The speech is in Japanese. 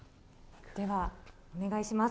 では、お願いします。